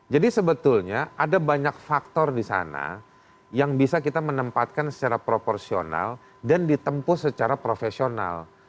jadi sebetulnya ada banyak faktor di sana yang bisa kita menempatkan secara proporsional dan ditempuh secara profesional